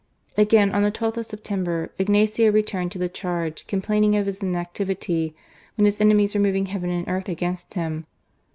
Again, on the 12th of September, Ignacio returned to the charge, complaining of his inactivity, when his enemies were moving heaven and earth against him.